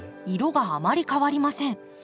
色があまり変わりません。